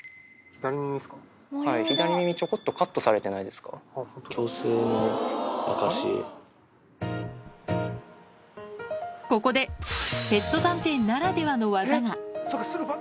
左耳、ちょこっとカットされあっ、ここで、ペット探偵ならではの技が。